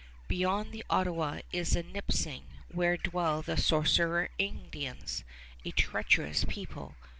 Beyond the Ottawa is the Nipissing, where dwell the Sorcerer Indians a treacherous people.